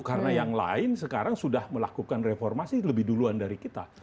karena yang lain sekarang sudah melakukan reformasi lebih duluan dari kita